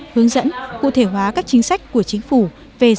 hướng dẫn cụ thể hóa các chính sách của chính phủ về giáo dục